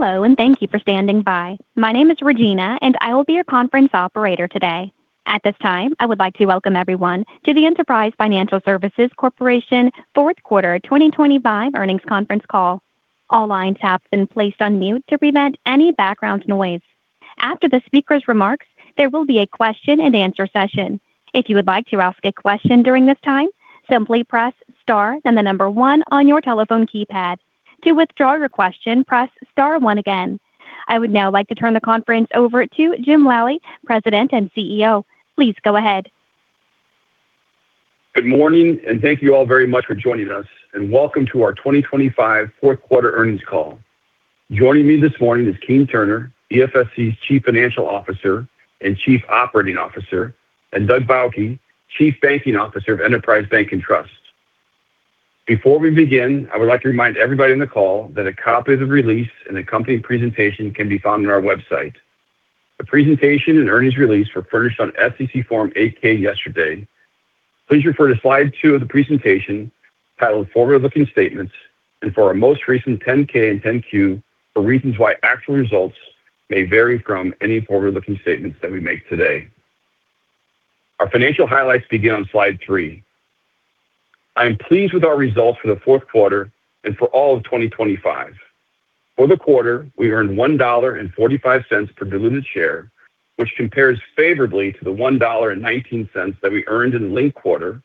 Hello, and thank you for standing by. My name is Regina, and I will be your conference operator today. At this time, I would like to welcome everyone to the Enterprise Financial Services Corporation Q4 2025 earnings conference call. All lines have been placed on mute to prevent any background noise. After the speaker's remarks, there will be a question and answer session. If you would like to ask a question during this time, simply press star and the number one on your telephone keypad. To withdraw your question, press star one again. I would now like to turn the conference over to Jim Lally, President and CEO. Please go ahead. Good morning, and thank you all very much for joining us, and welcome to our 2025 Q4 earnings call. Joining me this morning is Keene Turner, EFSC's Chief Financial Officer and Chief Operating Officer, and Doug Bauche, Chief Banking Officer of Enterprise Bank & Trust. Before we begin, I would like to remind everybody on the call that a copy of the release and accompanying presentation can be found on our website. The presentation and earnings release were furnished on SEC Form 8-K yesterday. Please refer to slide two of the presentation titled Forward-Looking Statements, and for our most recent 10-K and 10-Q for reasons why actual results may vary from any forward-looking statements that we make today. Our financial highlights begin on slide three. I am pleased with our results for the Q4 and for all of 2025. For the quarter, we earned $1.45 per diluted share, which compares favorably to the $1.19 that we earned in the linked quarter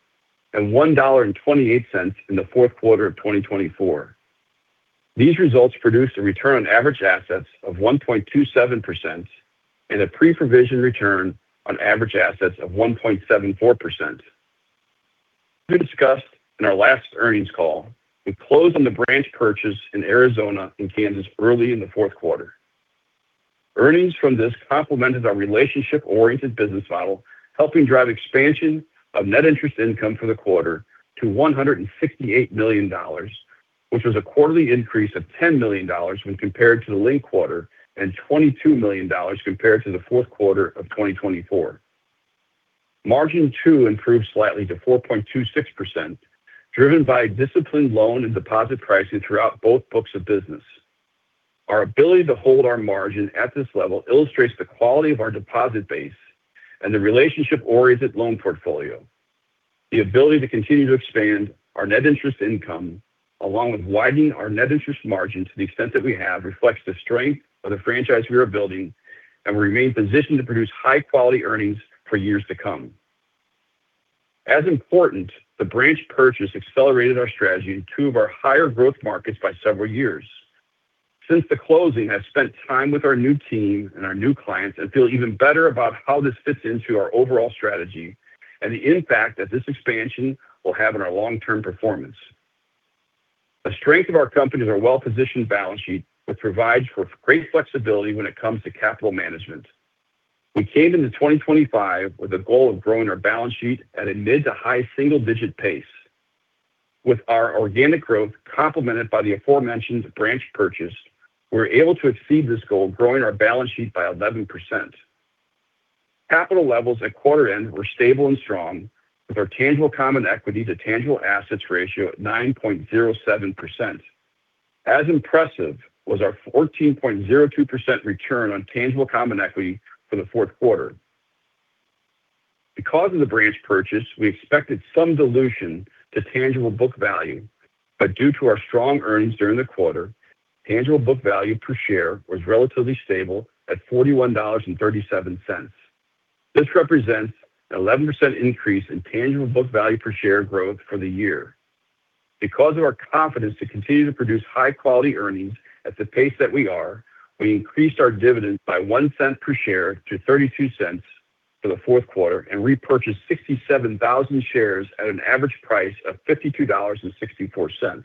and $1.28 in the Q4 of 2024. These results produced a return on average assets of 1.27% and a pre-provision return on average assets of 1.74%. We discussed in our last earnings call. We closed on the branch purchase in Arizona and Kansas early in the Q4. Earnings from this complemented our relationship-oriented business model, helping drive expansion of net interest income for the quarter to $168 million, which was a quarterly increase of $10 million when compared to the linked quarter, and $22 million compared to the Q4 of 2024. Margin, too, improved slightly to 4.26%, driven by disciplined loan and deposit pricing throughout both books of business. Our ability to hold our margin at this level illustrates the quality of our deposit base and the relationship-oriented loan portfolio. The ability to continue to expand our net interest income, along with widening our net interest margin to the extent that we have, reflects the strength of the franchise we are building and remain positioned to produce high-quality earnings for years to come. As important, the branch purchase accelerated our strategy in two of our higher growth markets by several years. Since the closing, I've spent time with our new team and our new clients and feel even better about how this fits into our overall strategy and the impact that this expansion will have on our long-term performance. The strength of our company is our well-positioned balance sheet, which provides for great flexibility when it comes to capital management. We came into 2025 with a goal of growing our balance sheet at a mid- to high single-digit pace. With our organic growth complemented by the aforementioned branch purchase, we're able to exceed this goal, growing our balance sheet by 11%. Capital levels at quarter end were stable and strong, with our tangible common equity to tangible assets ratio at 9.07%. As impressive was our 14.02% return on tangible common equity for the Q4. Because of the branch purchase, we expected some dilution to tangible book value, but due to our strong earnings during the quarter, tangible book value per share was relatively stable at $41.37. This represents an 11% increase in tangible book value per share growth for the year. Because of our confidence to continue to produce high-quality earnings at the pace that we are, we increased our dividend by $0.01 per share to $0.32 for the Q4 and repurchased 67,000 shares at an average price of $52.64.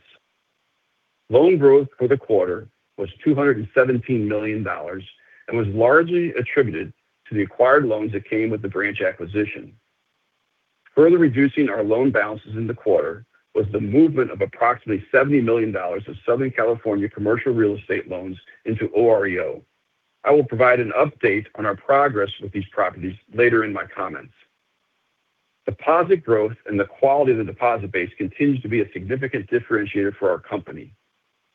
Loan growth for the quarter was $217 million and was largely attributed to the acquired loans that came with the branch acquisition. Further reducing our loan balances in the quarter was the movement of approximately $70 million of Southern California commercial real estate loans into OREO. I will provide an update on our progress with these properties later in my comments. Deposit growth and the quality of the deposit base continues to be a significant differentiator for our company.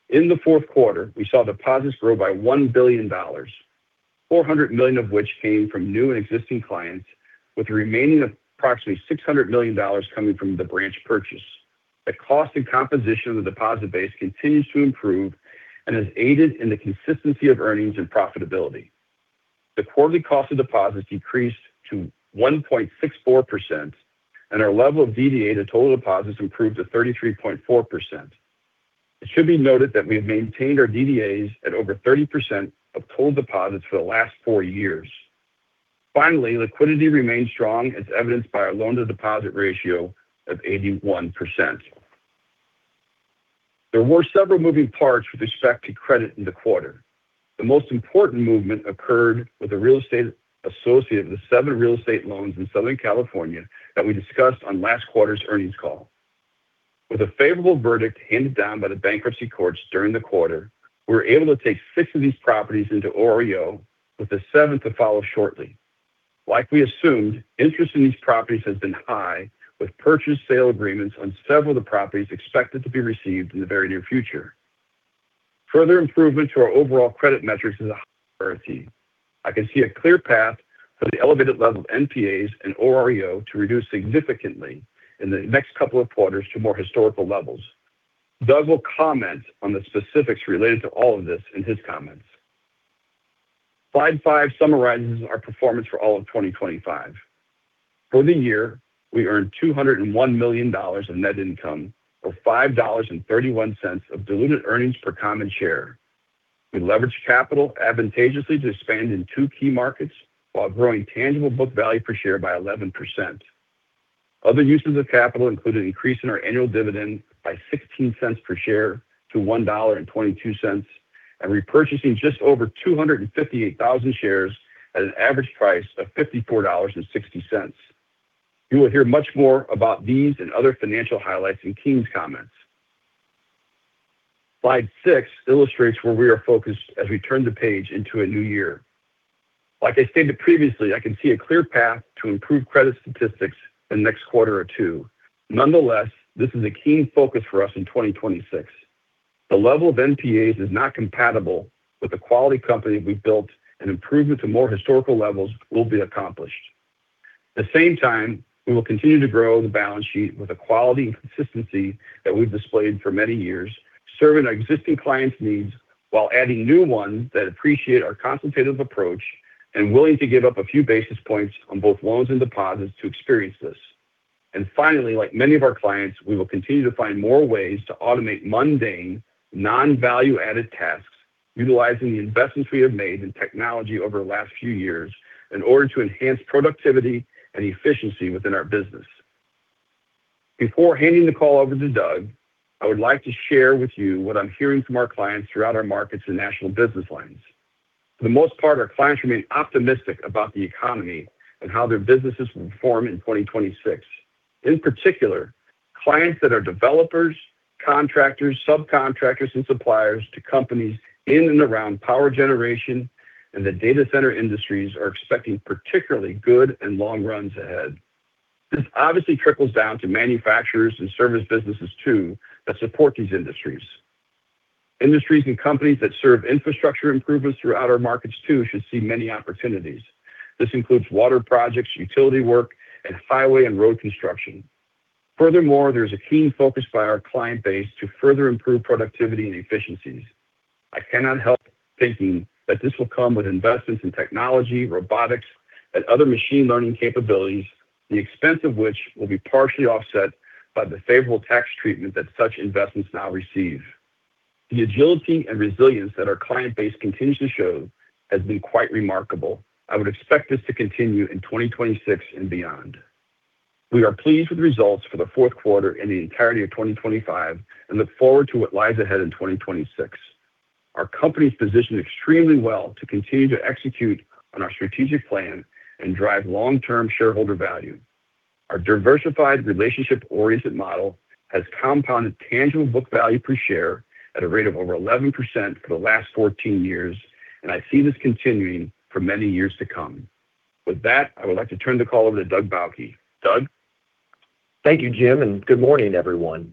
In the Q4, we saw deposits grow by $1 billion, $400 million of which came from new and existing clients, with the remaining approximately $600 million coming from the branch purchase. The cost and composition of the deposit base continues to improve and has aided in the consistency of earnings and profitability. The quarterly cost of deposits decreased to 1.64%, and our level of DDA to total deposits improved to 33.4%. It should be noted that we have maintained our DDAs at over 30% of total deposits for the last 4 years. Finally, liquidity remains strong, as evidenced by our loan-to-deposit ratio of 81%. There were several moving parts with respect to credit in the quarter. The most important movement occurred with the real estate associated with the 7 real estate loans in Southern California that we discussed on last quarter's earnings call. With a favorable verdict handed down by the bankruptcy courts during the quarter, we were able to take 6 of these properties into OREO, with the 7th to follow shortly. Like we assumed, interest in these properties has been high, with purchase and sale agreements on several of the properties expected to be received in the very near future. Further improvement to our overall credit metrics is a high priority. I can see a clear path for the elevated level of NPAs and OREO to reduce significantly in the next couple of quarters to more historical levels. Doug will comment on the specifics related to all of this in his comments. Slide five summarizes our performance for all of 2025. For the year, we earned $201 million in net income, or $5.31 of diluted earnings per common share. We leveraged capital advantageously to expand in two key markets while growing tangible book value per share by 11%. Other uses of capital include an increase in our annual dividend by $0.16 per share to $1.22, and repurchasing just over 258,000 shares at an average price of $54.60. You will hear much more about these and other financial highlights in Keene's comments. Slide six illustrates where we are focused as we turn the page into a new year. Like I stated previously, I can see a clear path to improve credit statistics in the next quarter or two. Nonetheless, this is a key focus for us in 2026. The level of NPAs is not compatible with the quality company we've built, and improvement to more historical levels will be accomplished. At the same time, we will continue to grow the balance sheet with the quality and consistency that we've displayed for many years, serving our existing clients' needs while adding new ones that appreciate our consultative approach and willing to give up a few basis points on both loans and deposits to experience this. And finally, like many of our clients, we will continue to find more ways to automate mundane, non-value-added tasks, utilizing the investments we have made in technology over the last few years in order to enhance productivity and efficiency within our business. Before handing the call over to Doug, I would like to share with you what I'm hearing from our clients throughout our markets and national business lines. For the most part, our clients remain optimistic about the economy and how their businesses will perform in 2026. In particular, clients that are developers, contractors, subcontractors, and suppliers to companies in and around power generation and the data center industries are expecting particularly good and long runs ahead. This obviously trickles down to manufacturers and service businesses too, that support these industries. Industries and companies that serve infrastructure improvements throughout our markets too, should see many opportunities. This includes water projects, utility work, and highway and road construction. Furthermore, there's a keen focus by our client base to further improve productivity and efficiencies. I cannot help thinking that this will come with investments in technology, robotics, and other machine learning capabilities, the expense of which will be partially offset by the favorable tax treatment that such investments now receive. The agility and resilience that our client base continues to show has been quite remarkable. I would expect this to continue in 2026 and beyond. We are pleased with the results for the Q4 and the entirety of 2025, and look forward to what lies ahead in 2026. Our company's positioned extremely well to continue to execute on our strategic plan and drive long-term shareholder value. Our diversified, relationship-oriented model has compounded tangible book value per share at a rate of over 11% for the last 14 years, and I see this continuing for many years to come. With that, I would like to turn the call over to Doug Bauche. Doug? Thank you, Jim, and good morning, everyone.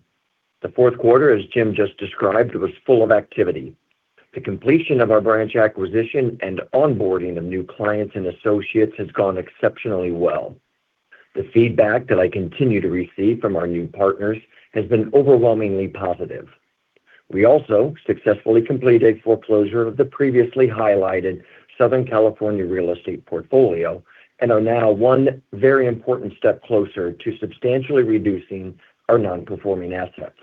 The Q4, as Jim just described, was full of activity. The completion of our branch acquisition and onboarding of new clients and associates has gone exceptionally well. The feedback that I continue to receive from our new partners has been overwhelmingly positive. We also successfully completed a foreclosure of the previously highlighted Southern California real estate portfolio and are now one very important step closer to substantially reducing our non-performing assets.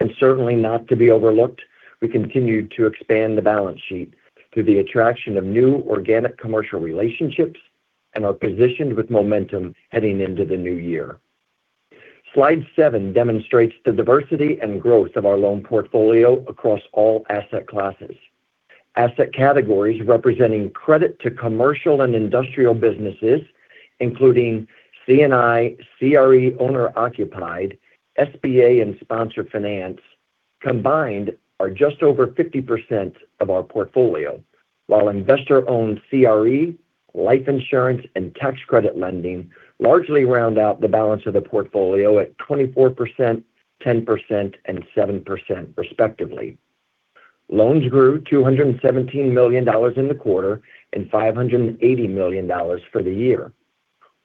And certainly not to be overlooked, we continued to expand the balance sheet through the attraction of new organic commercial relationships and are positioned with momentum heading into the new year. Slide seven demonstrates the diversity and growth of our loan portfolio across all asset classes. Asset categories representing credit to commercial and industrial businesses, including C&I, CRE owner occupied, SBA and sponsor finance, combined are just over 50% of our portfolio. While investor-owned CRE, life insurance, and tax credit lending largely round out the balance of the portfolio at 24%, 10%, and 7% respectively. Loans grew $217 million in the quarter and $580 million for the year.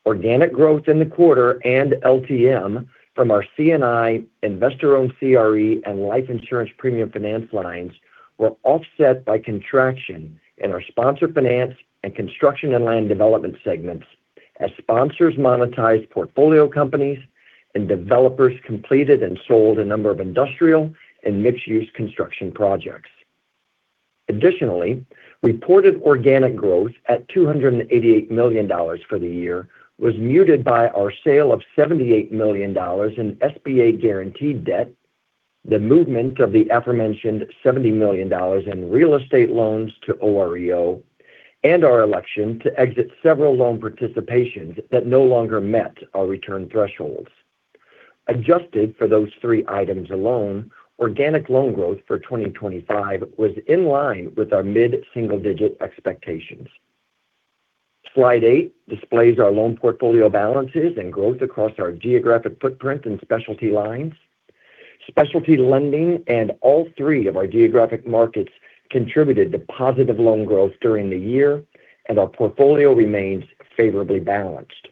Organic growth in the quarter and LTM from our C&I, investor-owned CRE, and life insurance premium finance lines were offset by contraction in our sponsor finance and construction and land development segments, as sponsors monetized portfolio companies and developers completed and sold a number of industrial and mixed-use construction projects. Additionally, reported organic growth at $288 million for the year was muted by our sale of $78 million in SBA guaranteed debt, the movement of the aforementioned $70 million in real estate loans to OREO, and our election to exit several loan participations that no longer met our return thresholds. Adjusted for those three items alone, organic loan growth for 2025 was in line with our mid-single-digit expectations. Slide eight displays our loan portfolio balances and growth across our geographic footprint and specialty lines. Specialty lending and all three of our geographic markets contributed to positive loan growth during the year, and our portfolio remains favorably balanced.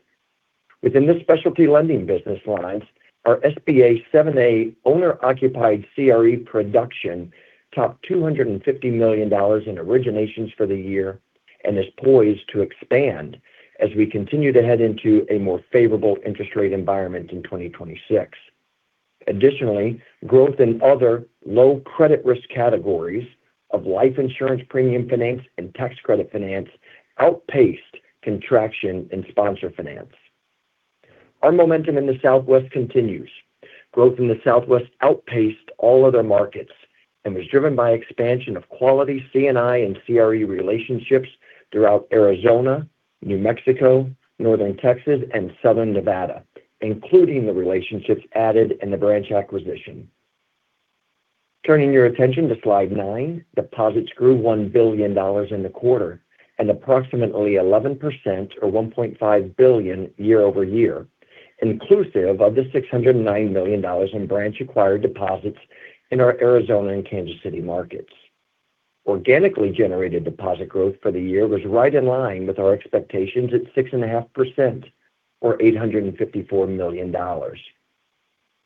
Within this specialty lending business lines, our SBA 7(a) owner-occupied CRE production topped $250 million in originations for the year and is poised to expand as we continue to head into a more favorable interest rate environment in 2026. Additionally, growth in other low credit risk categories of life insurance premium finance and tax credit finance outpaced contraction in sponsor finance. Our momentum in the Southwest continues. Growth in the Southwest outpaced all other markets and was driven by expansion of quality C&I and CRE relationships throughout Arizona, New Mexico, Northern Texas and Southern Nevada, including the relationships added in the branch acquisition. Turning your attention to slide nine, deposits grew $1 billion in the quarter and approximately 11% or $1.5 billion year-over-year, inclusive of the $609 million in branch acquired deposits in our Arizona and Kansas City markets. Organically generated deposit growth for the year was right in line with our expectations at 6.5% or $854 million.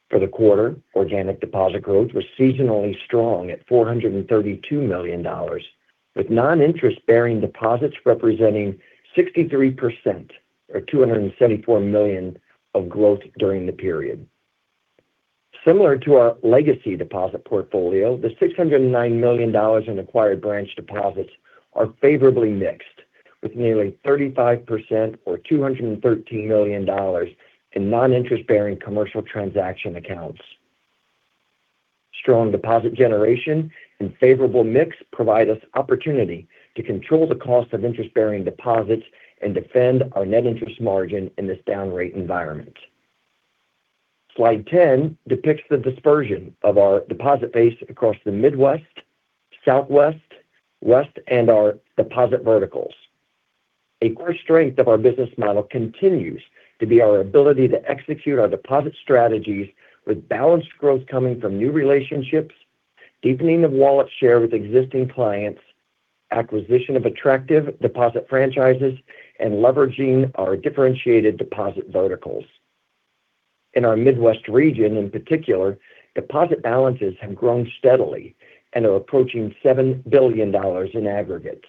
For the quarter, organic deposit growth was seasonally strong at $432 million, with non-interest-bearing deposits representing 63% or $274 million of growth during the period. Similar to our legacy deposit portfolio, the $609 million in acquired branch deposits are favorably mixed, with nearly 35% or $213 million in non-interest-bearing commercial transaction accounts. Strong deposit generation and favorable mix provide us opportunity to control the cost of interest-bearing deposits and defend our net interest margin in this down rate environment. Slide 10 depicts the dispersion of our deposit base across the Midwest, Southwest, West, and our deposit verticals. A core strength of our business model continues to be our ability to execute our deposit strategies with balanced growth coming from new relationships, deepening of wallet share with existing clients, acquisition of attractive deposit franchises, and leveraging our differentiated deposit verticals. In our Midwest region, in particular, deposit balances have grown steadily and are approaching $7 billion in aggregate.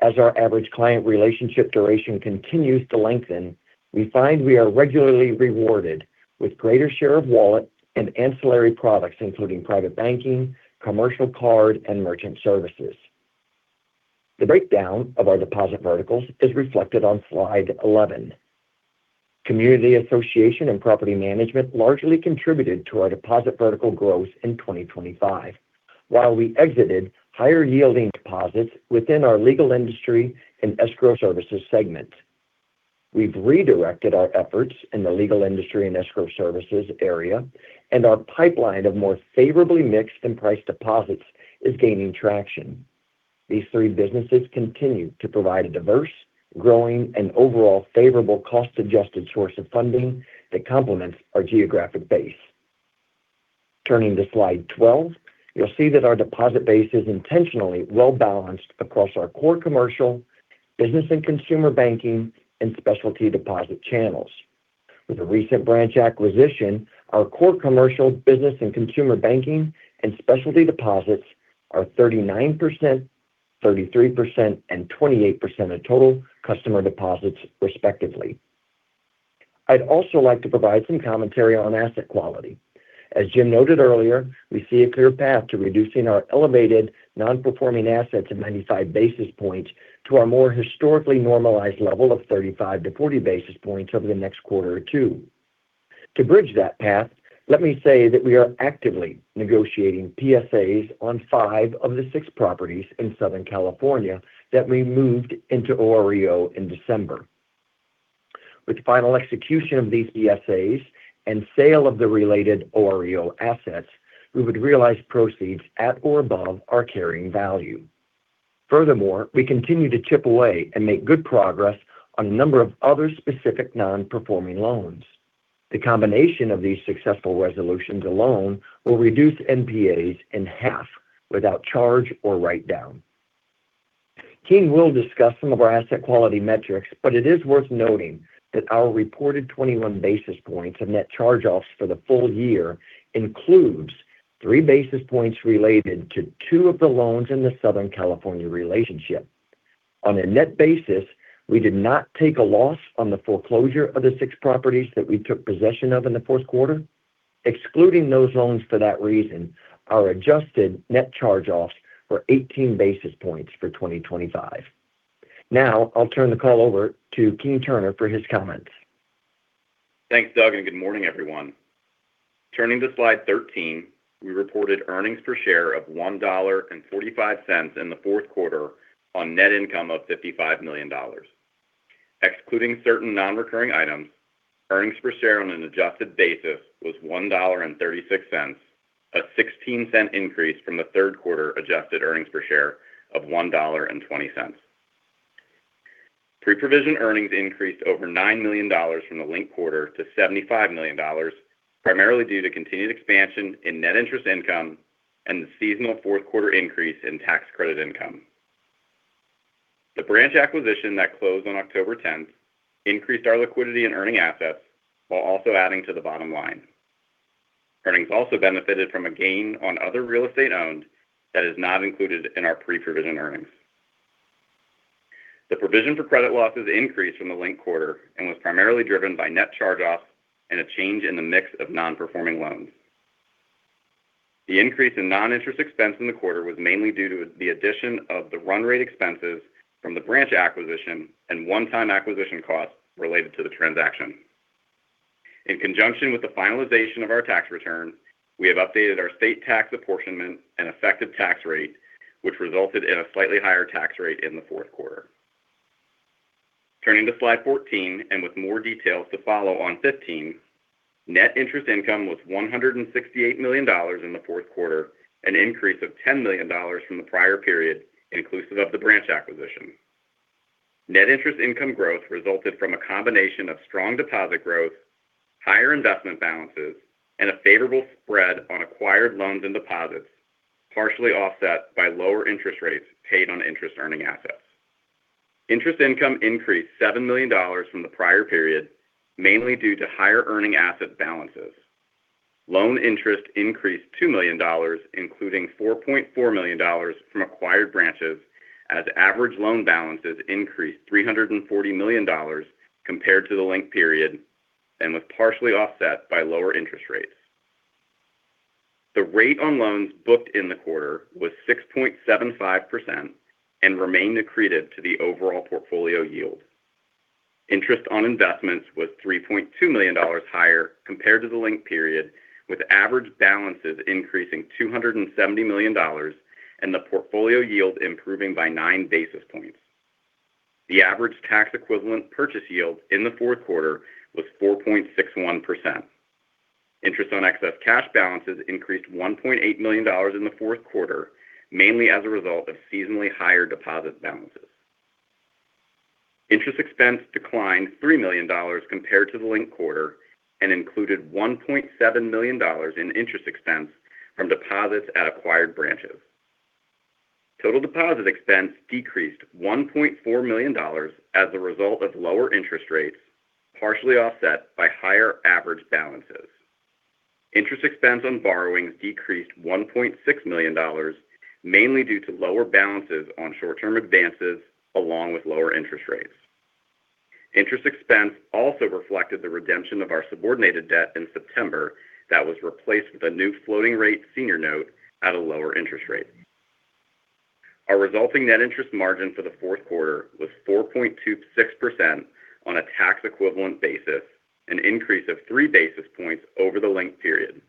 As our average client relationship duration continues to lengthen, we find we are regularly rewarded with greater share of wallet and ancillary products, including private banking, commercial card, and merchant services. The breakdown of our deposit verticals is reflected on slide 11. Community association and property management largely contributed to our deposit vertical growth in 2025. While we exited higher yielding deposits within our legal industry and escrow services segment, we've redirected our efforts in the legal industry and escrow services area, and our pipeline of more favorably mixed and priced deposits is gaining traction. These three businesses continue to provide a diverse, growing, and overall favorable cost-adjusted source of funding that complements our geographic base. Turning to slide 12, you'll see that our deposit base is intentionally well-balanced across our core commercial, business and consumer banking, and specialty deposit channels. With a recent branch acquisition, our core commercial business and consumer banking and specialty deposits are 39%, 33%, and 28% of total customer deposits, respectively. I'd also like to provide some commentary on asset quality. As Jim noted earlier, we see a clear path to reducing our elevated non-performing assets of 95 basis points to our more historically normalized level of 35-40 basis points over the next quarter or two. To bridge that path, let me say that we are actively negotiating PSAs on five of the six properties in Southern California that we moved into OREO in December. With final execution of these PSAs and sale of the related OREO assets, we would realize proceeds at or above our carrying value. Furthermore, we continue to chip away and make good progress on a number of other specific non-performing loans. The combination of these successful resolutions alone will reduce NPAs in half without charge or write down. Keene will discuss some of our asset quality metrics, but it is worth noting that our reported 21 basis points of net charge-offs for the full year includes 3 basis points related to two of the loans in the Southern California relationship. On a net basis, we did not take a loss on the foreclosure of the 6 properties that we took possession of in the Q4. Excluding those loans for that reason, our adjusted net charge-offs were 18 basis points for 2025. Now, I'll turn the call over to Keene Turner for his comments. Thanks, Doug, and good morning, everyone. Turning to slide 13, we reported earnings per share of $1.45 in the Q4 on net income of $55 million. Excluding certain non-recurring items, earnings per share on an adjusted basis was $1.36, a 16-cent increase from the Q3 adjusted earnings per share of $1.20. Pre-provision earnings increased over $9 million from the linked quarter to $75 million, primarily due to continued expansion in net interest income and the seasonal Q4 increase in tax credit income. The branch acquisition that closed on October 10th increased our liquidity and earning assets while also adding to the bottom line. Earnings also benefited from a gain on other real estate owned that is not included in our pre-provision earnings. The provision for credit losses increased from the linked quarter and was primarily driven by net charge-offs and a change in the mix of non-performing loans. The increase in non-interest expense in the quarter was mainly due to the addition of the run rate expenses from the branch acquisition and one-time acquisition costs related to the transaction. In conjunction with the finalization of our tax return, we have updated our state tax apportionment and effective tax rate, which resulted in a slightly higher tax rate in the Q4. Turning to slide 14, and with more details to follow on 15, net interest income was $168 million in the Q4, an increase of $10 million from the prior period, inclusive of the branch acquisition. Net interest income growth resulted from a combination of strong deposit growth, higher investment balances, and a favorable spread on acquired loans and deposits, partially offset by lower interest rates paid on interest earning assets. Interest income increased $7 million from the prior period, mainly due to higher earning asset balances. Loan interest increased $2 million, including $4.4 million from acquired branches, as average loan balances increased $340 million compared to the linked period and was partially offset by lower interest rates. The rate on loans booked in the quarter was 6.75% and remained accretive to the overall portfolio yield. Interest on investments was $3.2 million higher compared to the linked period, with average balances increasing $270 million and the portfolio yield improving by 9 basis points. The average tax equivalent purchase yield in the Q4 was 4.61%. Interest on excess cash balances increased $1.8 million in the Q4, mainly as a result of seasonally higher deposit balances. Interest expense declined $3 million compared to the linked quarter and included $1.7 million in interest expense from deposits at acquired branches. Total deposit expense decreased $1.4 million as a result of lower interest rates, partially offset by higher average balances. Interest expense on borrowings decreased $1.6 million, mainly due to lower balances on short-term advances, along with lower interest rates. Interest expense also reflected the redemption of our subordinated debt in September that was replaced with a new floating rate senior note at a lower interest rate. Our resulting net interest margin for the Q4 was 4.26% on a tax equivalent basis, an increase of 3 basis points over the linked period.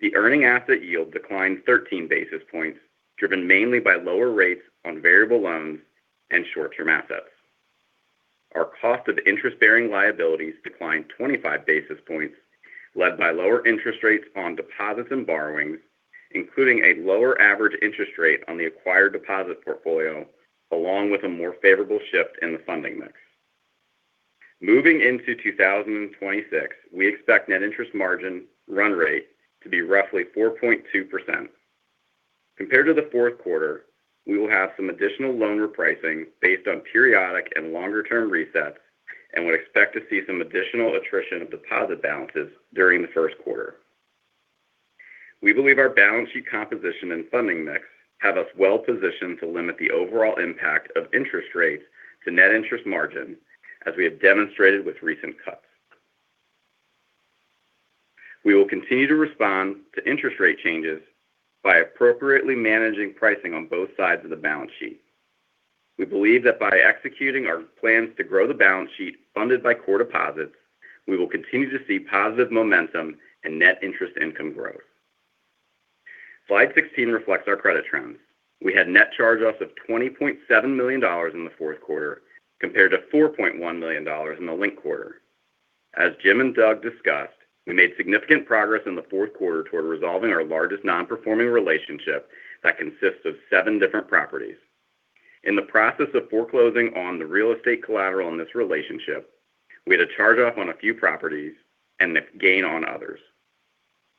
The earning asset yield declined 13 basis points, driven mainly by lower rates on variable loans and short-term assets. Our cost of interest-bearing liabilities declined 25 basis points, led by lower interest rates on deposits and borrowings, including a lower average interest rate on the acquired deposit portfolio, along with a more favorable shift in the funding mix. Moving into 2026, we expect net interest margin run rate to be roughly 4.2%. Compared to the Q4, we will have some additional loan repricing based on periodic and longer-term resets, and would expect to see some additional attrition of deposit balances during the Q1. We believe our balance sheet composition and funding mix have us well positioned to limit the overall impact of interest rates to net interest margin, as we have demonstrated with recent cuts. We will continue to respond to interest rate changes by appropriately managing pricing on both sides of the balance sheet. We believe that by executing our plans to grow the balance sheet funded by core deposits, we will continue to see positive momentum and net interest income growth. Slide 16 reflects our credit trends. We had net charge-offs of $20.7 million in the Q4, compared to $4.1 million in the linked quarter. As Jim and Doug discussed, we made significant progress in the Q4 toward resolving our largest non-performing relationship that consists of 7 different properties. In the process of foreclosing on the real estate collateral in this relationship, we had a charge-off on a few properties and a gain on others.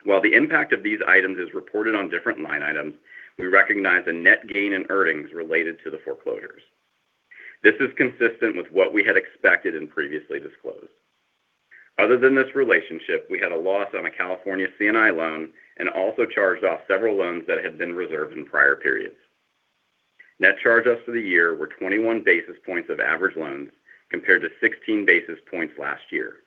While the impact of these items is reported on different line items, we recognize a net gain in earnings related to the foreclosures. This is consistent with what we had expected and previously disclosed. Other than this relationship, we had a loss on a California C&I loan and also charged off several loans that had been reserved in prior periods. Net charge-offs for the year were 21 basis points of average loans, compared to 16 basis points last year.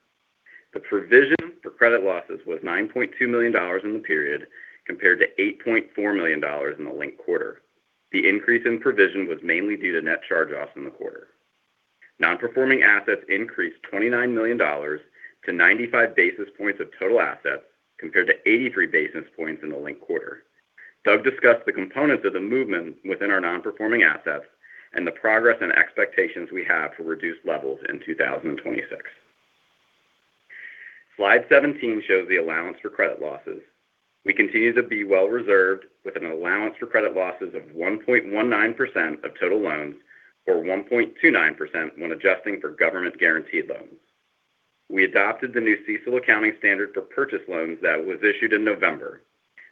The provision for credit losses was $9.2 million in the period, compared to $8.4 million in the linked quarter. The increase in provision was mainly due to net charge-offs in the quarter. Non-performing assets increased $29 million to 95 basis points of total assets, compared to 83 basis points in the linked quarter. Doug discussed the components of the movement within our non-performing assets and the progress and expectations we have to reduce levels in 2026. Slide 17 shows the allowance for credit losses. We continue to be well reserved, with an allowance for credit losses of 1.19% of total loans or 1.29% when adjusting for government-guaranteed loans. We adopted the new CECL accounting standard for purchase loans that was issued in November.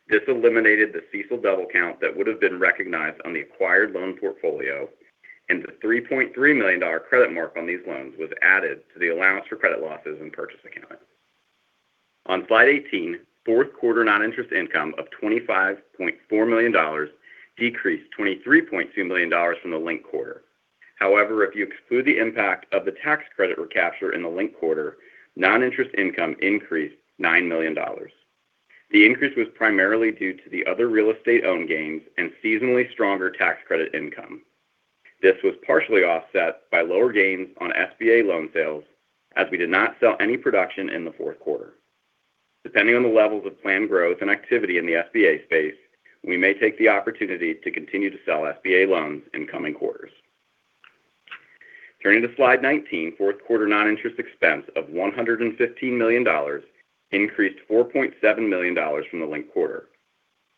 This eliminated the CECL double count that would have been recognized on the acquired loan portfolio, and the $3.3 million dollar credit mark on these loans was added to the allowance for credit losses and purchase accounting. On slide 18, Q4 non-interest income of $25.4 million decreased $23.2 million from the linked quarter. However, if you exclude the impact of the tax credit recapture in the linked quarter, non-interest income increased $9 million. The increase was primarily due to the other real estate owned gains and seasonally stronger tax credit income. This was partially offset by lower gains on SBA loan sales, as we did not sell any production in the Q4. Depending on the levels of planned growth and activity in the SBA space, we may take the opportunity to continue to sell SBA loans in coming quarters. Turning to slide 19, Q4 non-interest expense of $115 million increased $4.7 million from the linked quarter.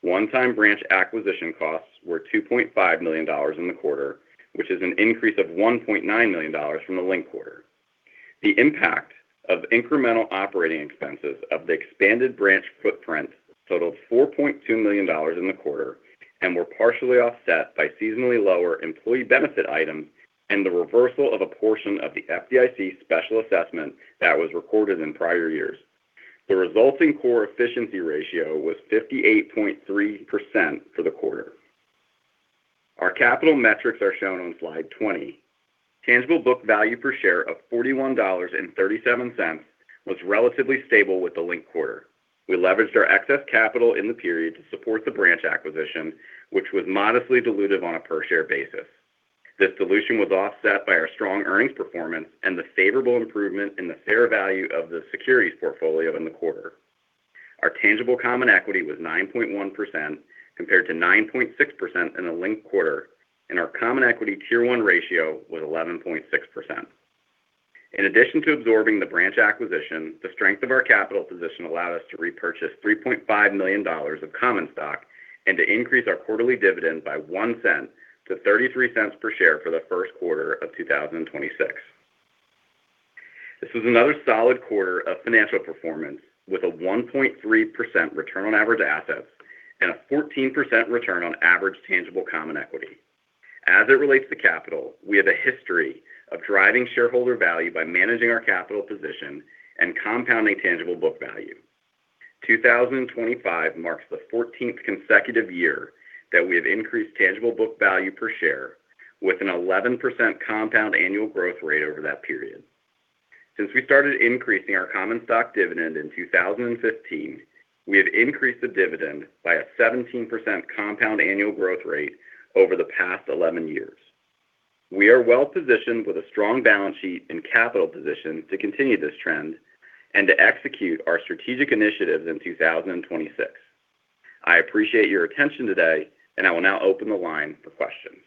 One-time branch acquisition costs were $2.5 million in the quarter, which is an increase of $1.9 million from the linked quarter. The impact of incremental operating expenses of the expanded branch footprint totaled $4.2 million in the quarter and were partially offset by seasonally lower employee benefit items and the reversal of a portion of the FDIC special assessment that was recorded in prior years. The resulting core efficiency ratio was 58.3% for the quarter. Our capital metrics are shown on slide 20. Tangible book value per share of $41.37 was relatively stable with the linked quarter. We leveraged our excess capital in the period to support the branch acquisition, which was modestly dilutive on a per-share basis. This dilution was offset by our strong earnings performance and the favorable improvement in the fair value of the securities portfolio in the quarter. Our tangible common equity was 9.1%, compared to 9.6% in the linked quarter, and our Common Equity Tier 1 ratio was 11.6%. In addition to absorbing the branch acquisition, the strength of our capital position allowed us to repurchase $3.5 million of common stock and to increase our quarterly dividend by $0.01-$0.33 per share for the Q1 of 2026. This was another solid quarter of financial performance with a 1.3% return on average assets and a 14% return on average tangible common equity. As it relates to capital, we have a history of driving shareholder value by managing our capital position and compounding tangible book value. 2025 marks the fourteenth consecutive year that we have increased tangible book value per share with an 11% compound annual growth rate over that period. Since we started increasing our common stock dividend in 2015, we have increased the dividend by a 17% compound annual growth rate over the past 11 years. We are well positioned with a strong balance sheet and capital position to continue this trend and to execute our strategic initiatives in 2026. I appreciate your attention today, and I will now open the line for questions.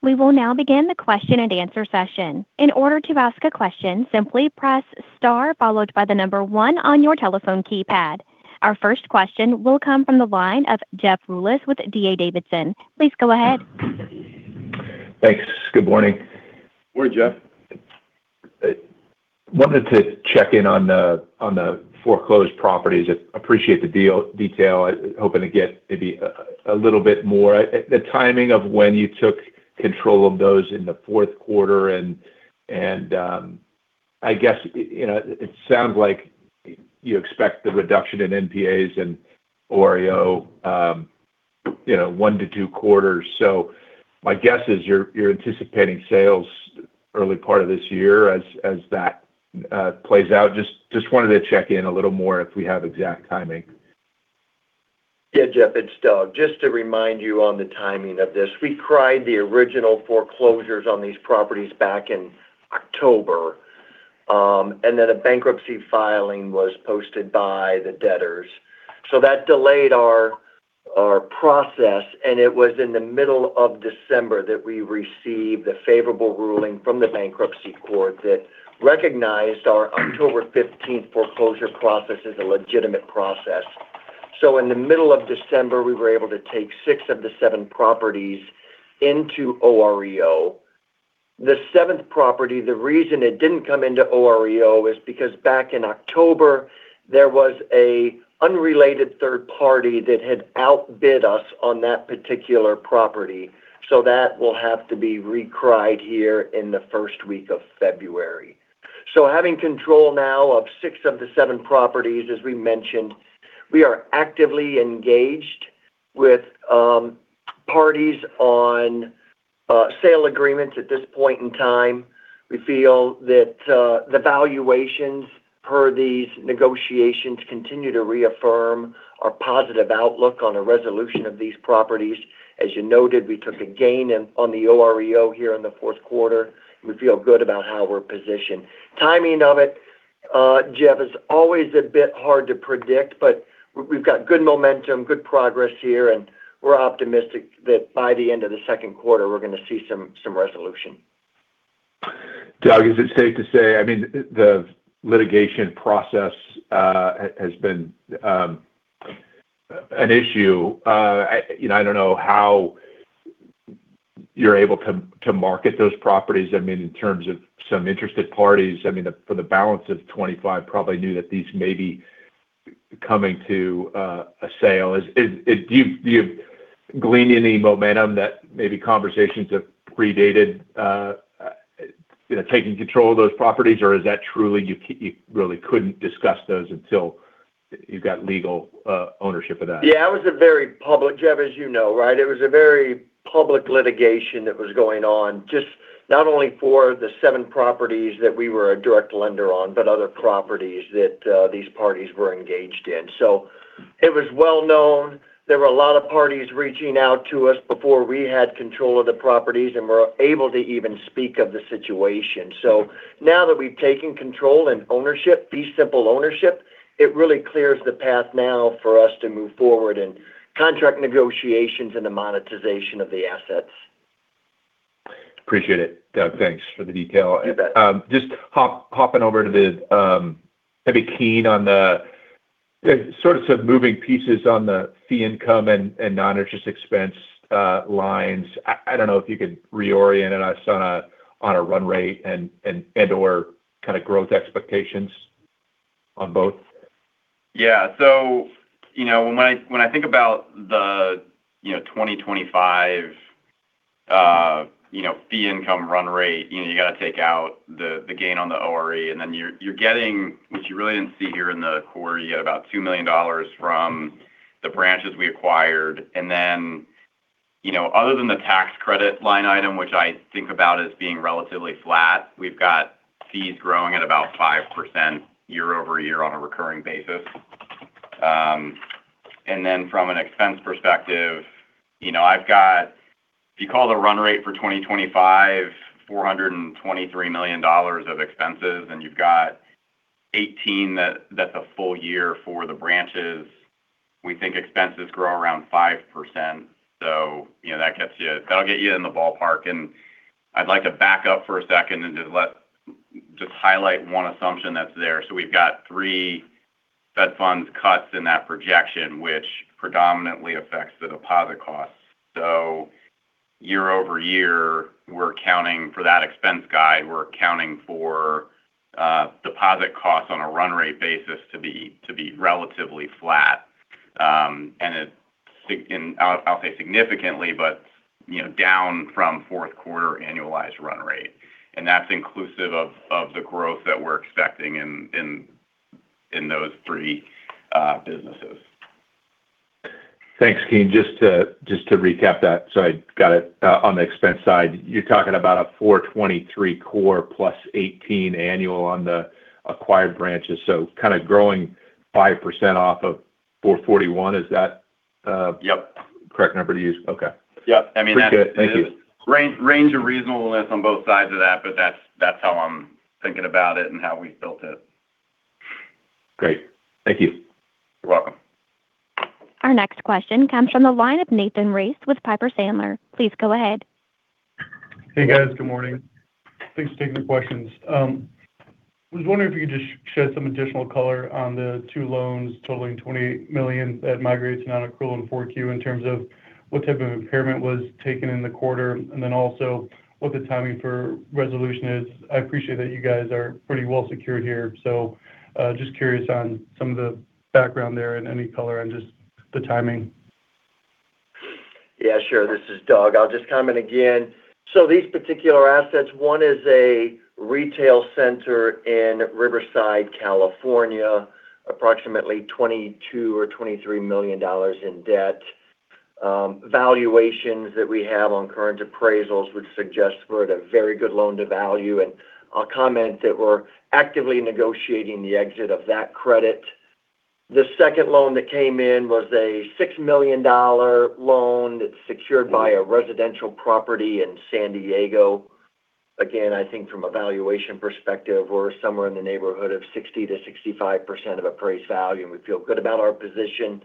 We will now begin the question and answer session. In order to ask a question, simply press star followed by the number one on your telephone keypad. Our first question will come from the line of Jeff Rulis with D.A. Davidson. Please go ahead. Thanks. Good morning. Morning, Jeff. Wanted to check in on the foreclosed properties. I appreciate the detail. I was hoping to get maybe a little bit more. The timing of when you took control of those in the Q4 and, I guess, you know, it sounds like you expect the reduction in NPAs and OREO, you know, 1-2 quarters. So my guess is you're anticipating sales early part of this year as that plays out. Just wanted to check in a little more if we have exact timing. Yeah, Jeff, it's Doug. Just to remind you on the timing of this, we filed the original foreclosures on these properties back in October, and then a bankruptcy filing was posted by the debtors. So that delayed our process, and it was in the middle of December that we received the favorable ruling from the bankruptcy court that recognized our October 15th foreclosure process as a legitimate process. So in the middle of December, we were able to take six of the seven properties into OREO. The seventh property, the reason it didn't come into OREO is because back in October, there was an unrelated third party that had outbid us on that particular property. So that will have to be refiled here in the first week of February. So having control now of six of the seven properties, as we mentioned, we are actively engaged with parties on sale agreements at this point in time. We feel that the valuations per these negotiations continue to reaffirm our positive outlook on a resolution of these properties. As you noted, we took a gain in on the OREO here in the Q4. We feel good about how we're positioned. Timing of it, Jeff, is always a bit hard to predict, but we've got good momentum, good progress here, and we're optimistic that by the end of the Q2, we're going to see some resolution. Doug, is it safe to say - I mean, the litigation process has been an issue. You know, I don't know how you're able to market those properties. I mean, in terms of some interested parties, I mean, for the balance of $25 probably knew that these may be coming to a sale. Do you glean any momentum that maybe conversations have predated, you know, taking control of those properties? Or is that truly you - you really couldn't discuss those until you've got legal ownership of that? Yeah, it was a very public, Jeff, as you know, right? It was a very public litigation that was going on, just not only for the seven properties that we were a direct lender on, but other properties that these parties were engaged in. So it was well known there were a lot of parties reaching out to us before we had control of the properties and were able to even speak of the situation. So now that we've taken control and ownership, simple ownership, it really clears the path now for us to move forward in contract negotiations and the monetization of the assets. Appreciate it, Doug. Thanks for the detail. You bet. Just hopping over to the maybe Keene on some moving pieces on the fee income and non-interest expense lines. I don't know if you could reorient us on a run rate and/or kind of growth expectations on both. Yeah. So, you know, when I think about the, you know, 2025, you know, fee income run rate, you know, you got to take out the, the gain on the OREO, and then you're getting, which you really didn't see here in the core. You get about $2 million from the branches we acquired. And then, you know, other than the tax credit line item, which I think about as being relatively flat, we've got fees growing at about 5% year-over-year on a recurring basis. And then from an expense perspective, you know, I've got... If you call the run rate for 2025, $423 million of expenses, and you've got $18 million, that's a full year for the branches. We think expenses grow around 5%. So, you know, that gets you - that'll get you in the ballpark. And I'd like to back up for a second and just highlight one assumption that's there. So we've got three Fed funds cuts in that projection, which predominantly affects the deposit costs. So year-over-year, we're accounting for that expense guide. We're accounting for deposit costs on a run rate basis to be relatively flat. And I'll say significantly, but, you know, down from Q4 annualized run rate. And that's inclusive of the growth that we're expecting in those three businesses. Thanks, Keene. Just to, just to recap that, so I got it. On the expense side, you're talking about a $423 core + $18 annual on the acquired branches. So kind of growing 5% off of $441. Is that- Yep. Correct number to use? Okay. Yep. I mean- Appreciate it. Thank you. Range, range of reasonableness on both sides of that, but that's, that's how I'm thinking about it and how we've built it. Great. Thank you. You're welcome. Our next question comes from the line of Nathan Race with Piper Sandler. Please go ahead. Hey, guys. Good morning. Thanks for taking the questions. I was wondering if you could just shed some additional color on the two loans totaling $28 million that migrates to non-accrual in 4Q, in terms of what type of impairment was taken in the quarter, and then also what the timing for resolution is. I appreciate that you guys are pretty well secured here, so, just curious on some of the background there and any color on just the timing. Yeah, sure. This is Doug. I'll just comment again. So these particular assets, one is a retail center in Riverside, California, approximately $22 million-$23 million in debt. Valuations that we have on current appraisals would suggest we're at a very good loan-to-value, and I'll comment that we're actively negotiating the exit of that credit. The second loan that came in was a $6 million loan that's secured by a residential property in San Diego. Again, I think from a valuation perspective, we're somewhere in the neighborhood of 60%-65% of appraised value, and we feel good about our position.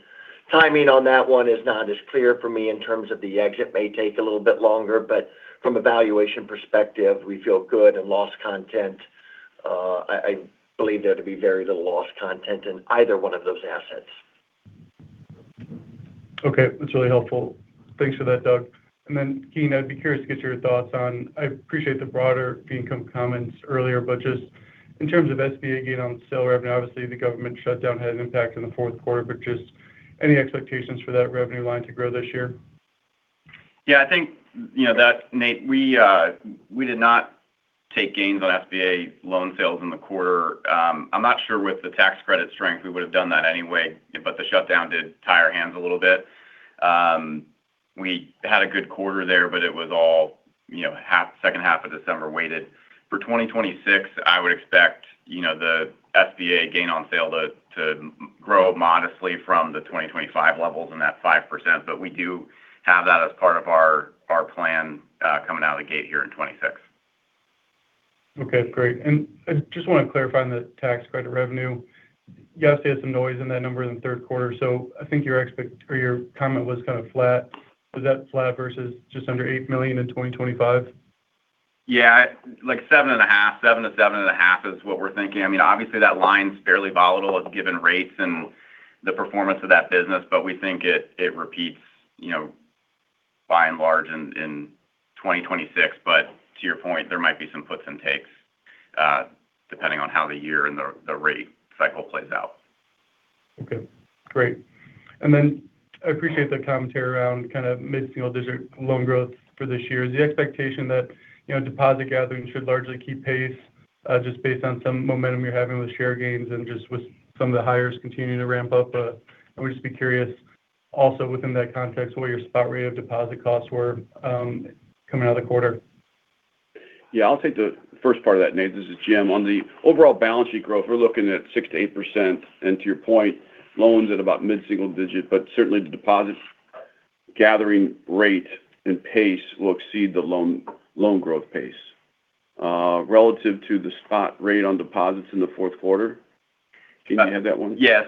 Timing on that one is not as clear for me in terms of the exit, may take a little bit longer, but from a valuation perspective, we feel good and loss content. I believe there to be very little loss content in either one of those assets. Okay. That's really helpful. Thanks for that, Doug. And then, Keene, I'd be curious to get your thoughts on, I appreciate the broader fee income comments earlier, but just in terms of SBA gain on sale revenue, obviously, the government shutdown had an impact in the Q4, but just any expectations for that revenue line to grow this year? Yeah, I think, you know, that, Nate, we did not take gains on SBA loan sales in the quarter. I'm not sure with the tax credit strength, we would have done that anyway, but the shutdown did tie our hands a little bit. We had a good quarter there, but it was all, you know, half-- second half of December weighted. For 2026, I would expect, you know, the SBA gain on sale to grow modestly from the 2025 levels in that 5%, but we do have that as part of our plan coming out of the gate here in 2026. Okay, great. And I just want to clarify on the tax credit revenue. You obviously had some noise in that number in the Q3, so I think your expectation or your comment was kind of flat. Was that flat versus just under $8 million in 2025? Yeah, like 7.5. Seven to 7.5 is what we're thinking. I mean, obviously, that line's fairly volatile given rates and the performance of that business, but we think it repeats, you know, by and large in 2026. But to your point, there might be some puts and takes depending on how the year and the rate cycle plays out. Okay, great. And then I appreciate the commentary around kind of mid-single-digit loan growth for this year. Is the expectation that, you know, deposit gathering should largely keep pace, just based on some momentum you're having with share gains and just with some of the hires continuing to ramp up? I would just be curious also within that context, what your spot rate of deposit costs were, coming out of the quarter. Yeah, I'll take the first part of that, Nate. This is Jim. On the overall balance sheet growth, we're looking at 6%-8%. And to your point, loans at about mid-single digit, but certainly the deposits gathering rate and pace will exceed the loan, loan growth pace. Relative to the spot rate on deposits in the Q4, can I have that one? Yes,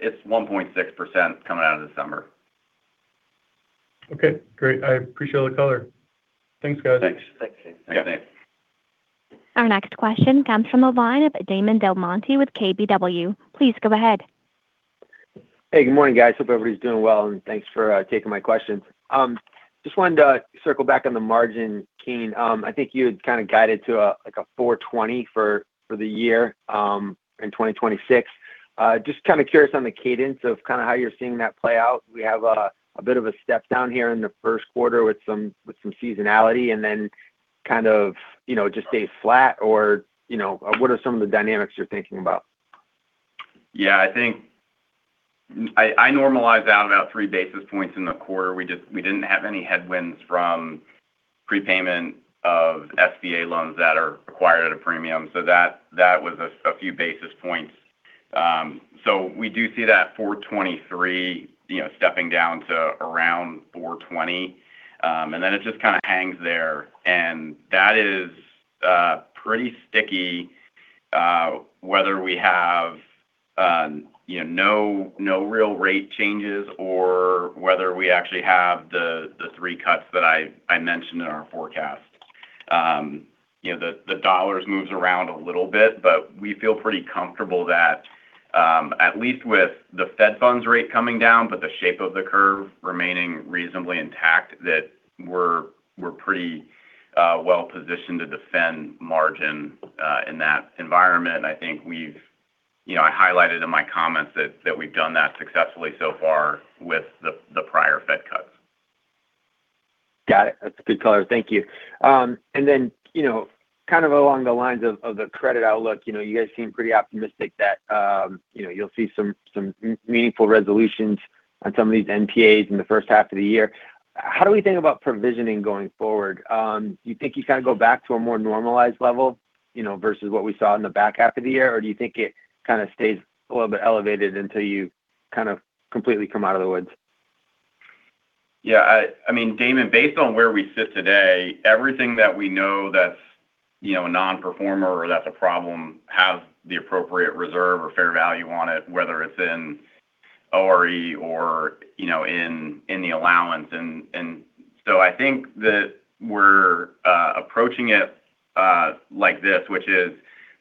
it's 1.6% coming out of December. Okay, great. I appreciate all the color. Thanks, guys. Thanks. Thanks. Yeah, thanks. Our next question comes from the line of Damon DelMonte with KBW. Please go ahead. Hey, good morning, guys. Hope everybody's doing well, and thanks for taking my questions. Just wanted to circle back on the margin, Keene. I think you had kind of guided to a, like, a 4.20 for the year in 2026. Just kind of curious on the cadence of kind of how you're seeing that play out. We have a bit of a step down here in the Q1 with some seasonality and then kind of, you know, just stays flat or, you know, what are some of the dynamics you're thinking about? Yeah, I think I normalize out about three basis points in the quarter. We just we didn't have any headwinds from prepayment of SBA loans that are acquired at a premium, so that was a few basis points. So we do see that 4.23, you know, stepping down to around 4.20. And then it just kind of hangs there, and that is pretty sticky whether we have, you know, no real rate changes or whether we actually have the three cuts that I mentioned in our forecast. You know, the dollars moves around a little bit, but we feel pretty comfortable that at least with the Fed funds rate coming down, but the shape of the curve remaining reasonably intact, that we're pretty well positioned to defend margin in that environment. I think we've, you know, I highlighted in my comments that we've done that successfully so far with the prior Fed cuts. Got it. That's a good color. Thank you. And then, you know, kind of along the lines of the credit outlook, you know, you guys seem pretty optimistic that, you know, you'll see some, some meaningful resolutions on some of these NPAs in the first half of the year. How do we think about provisioning going forward? Do you think you kind of go back to a more normalized level, you know, versus what we saw in the back half of the year? Or do you think it kind of stays a little bit elevated until you kind of completely come out of the woods? Yeah, I mean, Damon, based on where we sit today, everything that we know that's, you know, a nonperformer or that's a problem, has the appropriate reserve or fair value on it, whether it's in ORE or, you know, in the allowance. And so I think that we're approaching it like this, which is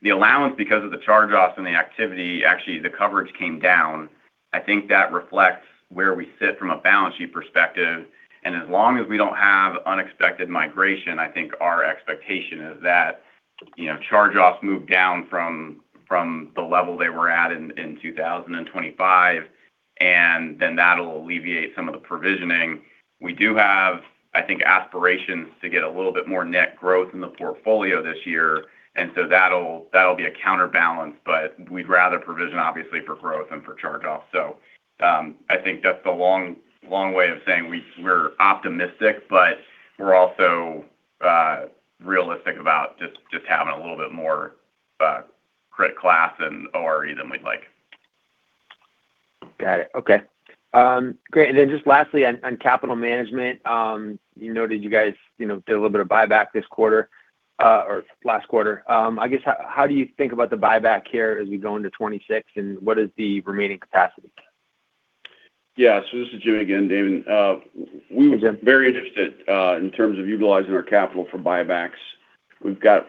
the allowance, because of the charge-offs and the activity, actually, the coverage came down. I think that reflects where we sit from a balance sheet perspective, and as long as we don't have unexpected migration, I think our expectation is that, you know, charge-offs move down from the level they were at in 2025, and then that'll alleviate some of the provisioning. We do have, I think, aspirations to get a little bit more net growth in the portfolio this year, and so that'll be a counterbalance, but we'd rather provision, obviously, for growth than for charge-off. So, I think that's the long, long way of saying we're optimistic, but we're also realistic about just having a little bit more credit loss and OREO than we'd like. Got it. Okay. Great. And then just lastly, on capital management, you noted you guys, you know, did a little bit of buyback this quarter or last quarter. I guess, how do you think about the buyback here as we go into 2026, and what is the remaining capacity? Yeah. So this is Jim again, Damon. Yeah are very interested in terms of utilizing our capital for buybacks. We've got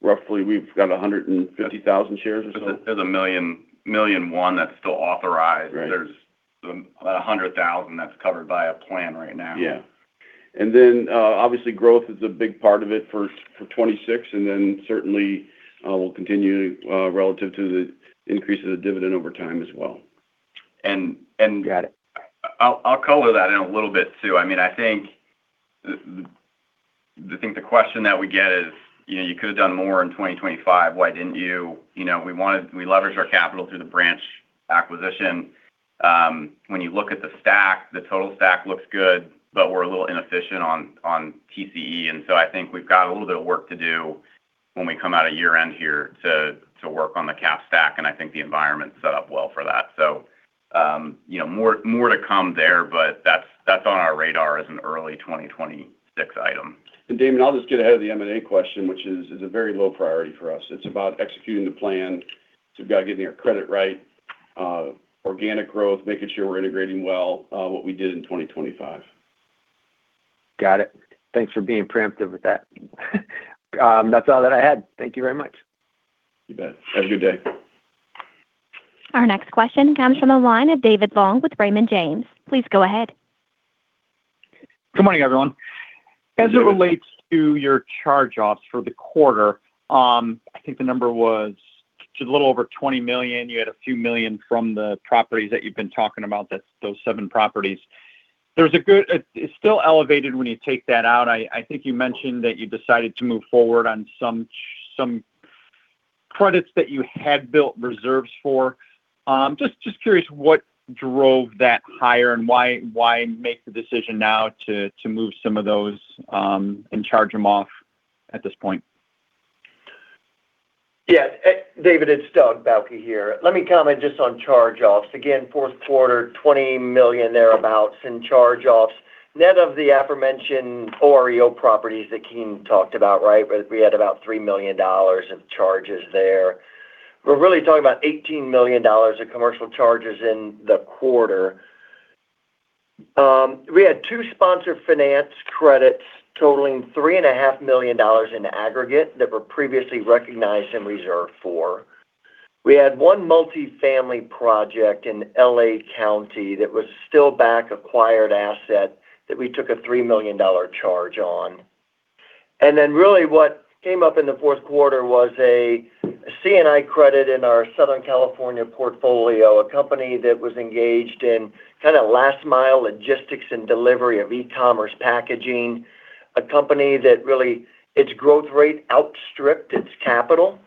roughly 150,000 shares or so. There's $1,000,001 that's still authorized. Right. There's $100,000 that's covered by a plan right now. Yeah. And then, obviously, growth is a big part of it for 2026, and then certainly, we'll continue relative to the increases in dividend over time as well. And, and- Got it I'll color that in a little bit, too. I mean, I think the question that we get is, you know, you could have done more in 2025. Why didn't you? You know, we leveraged our capital through the branch acquisition. When you look at the stack, the total stack looks good, but we're a little inefficient on TCE, and so I think we've got a little bit of work to do when we come out of year-end here to work on the cap stack, and I think the environment's set up well for that. So, you know, more to come there, but that's on our radar as an early 2026 item. Damon, I'll just get ahead of the M&A question, which is a very low priority for us. It's about executing the plan. So we've got to get our credit right, organic growth, making sure we're integrating well, what we did in 2025. Got it. Thanks for being preemptive with that. That's all that I had. Thank you very much. You bet. Have a good day. Our next question comes from the line of David Long with Raymond James. Please go ahead. Good morning, everyone. As it relates to your charge-offs for the quarter, I think the number was a little over $20 million. You had a few million from the properties that you've been talking about, those 7 properties. It's still elevated when you take that out. I think you mentioned that you decided to move forward on some credits that you had built reserves for. Just curious what drove that higher and why make the decision now to move some of those and charge them off at this point? Yeah, David, it's Doug Bauche here. Let me comment just on charge-offs. Again, Q4, $20 million thereabouts in charge-offs, net of the aforementioned OREO properties that Keene talked about, right? Where we had about $3 million of charges there. We're really talking about $18 million of commercial charges in the quarter. We had two sponsor finance credits totaling $3.5 million in aggregate that were previously recognized and reserved for. We had one multifamily project in L.A. County that was still bank acquired asset that we took a $3 million charge on. And then really what came up in the fourth quarter was a C&I credit in our Southern California portfolio, a company that was engaged in kind of last-mile logistics and delivery of e-commerce packaging, a company that really its growth rate outstripped its capital.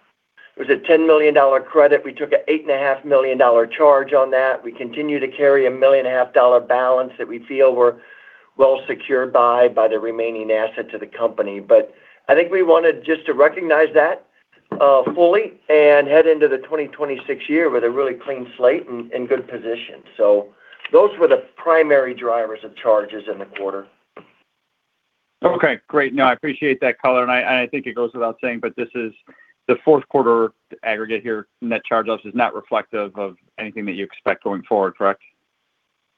It was a $10 million credit. We took an $8.5 million charge on that. We continue to carry a $1.5 million balance that we feel we're well secured by, by the remaining assets of the company. But I think we wanted just to recognize that fully and head into the 2026 year with a really clean slate and in good position. So those were the primary drivers of charges in the quarter. Okay, great. No, I appreciate that color. And I, and I think it goes without saying, but this is the Q4 aggregate here, net charge-offs is not reflective of anything that you expect going forward, correct?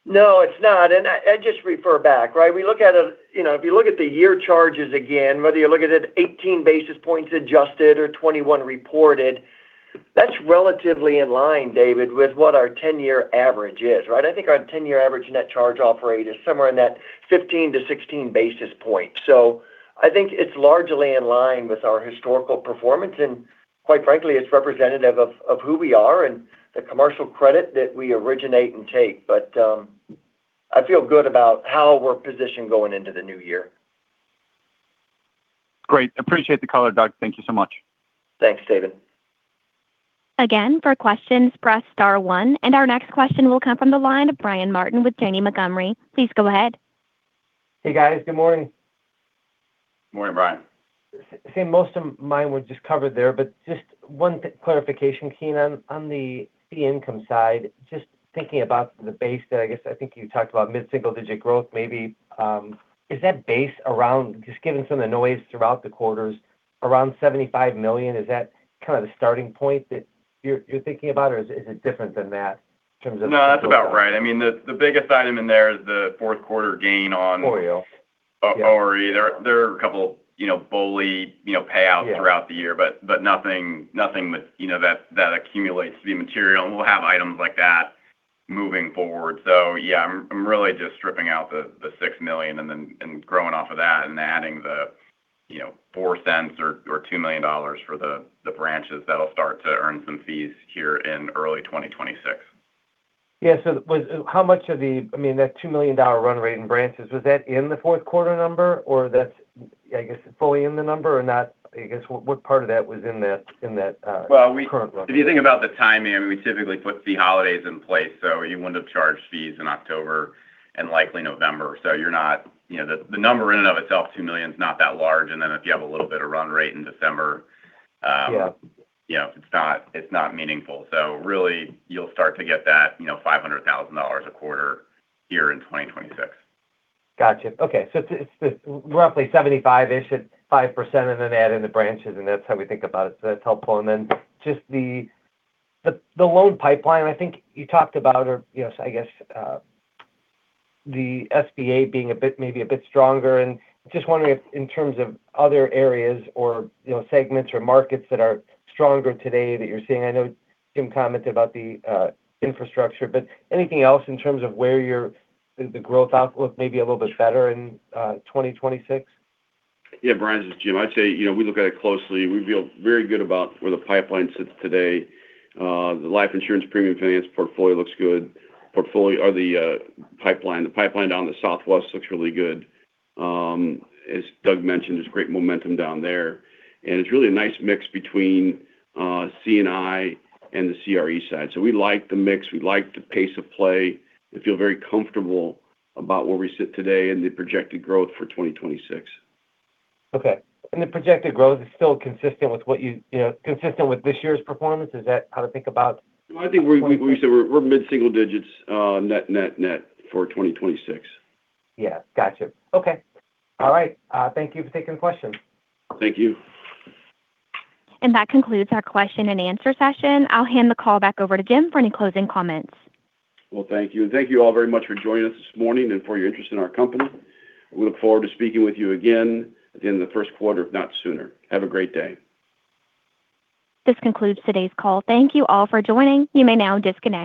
No, it's not. And I just refer back, right? We look at it, you know, if you look at the year charges again, whether you look at it 18 basis points adjusted or 21 reported, that's relatively in line, David, with what our 10-year average is, right? I think our 10-year average net charge-off rate is somewhere in that 15-16 basis point. So I think it's largely in line with our historical performance, and quite frankly, it's representative of who we are and the commercial credit that we originate and take. But I feel good about how we're positioned going into the new year. Great. Appreciate the color, Doug. Thank you so much. Thanks, David. Again, for questions, press star one, and our next question will come from the line of Brian Martin with Janney Montgomery. Please go ahead. Hey, guys. Good morning. Good morning, Brian. Most of mine were just covered there, but just one clarification, Keene, on, on the income side, just thinking about the base, I guess, I think you talked about mid-single-digit growth, maybe. Is that base around, just given some of the noise throughout the quarters, around $75 million? Is that kind of the starting point that you're, you're thinking about, or is it, is it different than that in terms of- No, that's about right. I mean, the biggest item in there is the Q4 gain on- OREO. OREO. There are a couple, you know, BOLI, you know, payouts- Yeah throughout the year, but nothing that, you know, that accumulates to be material, and we'll have items like that moving forward. So yeah, I'm really just stripping out the $6 million and then growing off of that and adding the, you know, $0.04 or $2 million for the branches that'll start to earn some fees here in early 2026. Yeah. So was how much of the... I mean, that $2 million run rate in branches, was that in the Q4 number, or that's, I guess, fully in the number or not? I guess, what, what part of that was in that, in that current run? Well, if you think about the timing, I mean, we typically put fee holidays in place, so you wouldn't have charged fees in October and likely November. So you're not—you know, the, the number in and of itself, $2 million is not that large, and then if you have a little bit of run rate in December. Yeah you know, it's not, it's not meaningful. So really, you'll start to get that, you know, $500,000 a quarter here in 2026. Gotcha. Okay. So it's roughly 75-ish at 5%, and then add in the branches, and that's how we think about it. So that's helpful. And then just the loan pipeline, I think you talked about or, you know, I guess the SBA being a bit, maybe a bit stronger. And just wondering if in terms of other areas or, you know, segments or markets that are stronger today that you're seeing. I know Jim commented about the infrastructure, but anything else in terms of where your growth outlook may be a little bit better in 2026? Yeah, Brian, this is Jim. I'd say, you know, we look at it closely. We feel very good about where the pipeline sits today. The life insurance premium finance portfolio looks good. The pipeline down the Southwest looks really good. As Doug mentioned, there's great momentum down there, and it's really a nice mix between C&I and the CRE side. So we like the mix, we like the pace of play, we feel very comfortable about where we sit today and the projected growth for 2026. Okay. And the projected growth is still consistent with what you know, consistent with this year's performance? Is that how to think about- I think we say we're mid-single digits, net, net, net for 2026. Yeah, gotcha. Okay. All right. Thank you for taking the question. Thank you. That concludes our question and answer session. I'll hand the call back over to Jim for any closing comments. Well, thank you. Thank you all very much for joining us this morning and for your interest in our company. We look forward to speaking with you again at the end of the Q1, if not sooner. Have a great day. This concludes today's call. Thank you all for joining. You may now disconnect.